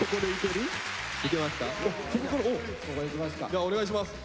じゃお願いします。